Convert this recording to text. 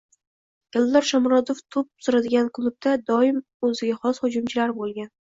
Eldor Shomurodov to‘p suradigan klubda doim o‘ziga xos hujumchilar bo‘lgan